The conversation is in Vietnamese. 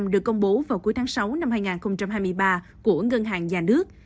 được công bố vào cuối tháng sáu năm hai nghìn hai mươi ba của ngân hàng nhà nước